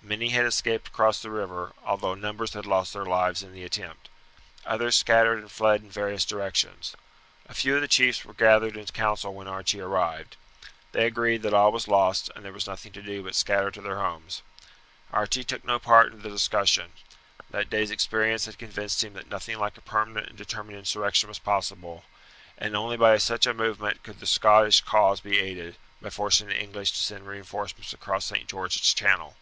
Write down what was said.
Many had escaped across the river, although numbers had lost their lives in the attempt. Others scattered and fled in various directions. A few of the chiefs were gathered in council when Archie arrived. They agreed that all was lost and there was nothing to do but scatter to their homes. Archie took no part in the discussion. That day's experience had convinced him that nothing like a permanent and determined insurrection was possible, and only by such a movement could the Scottish cause be aided, by forcing the English to send reinforcements across St. George's Channel.